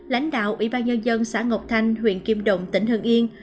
lãnh đạo ủy ban nhân dân xã ngọc thanh huyện kim động tỉnh hưng yên